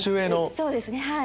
そうですねはい。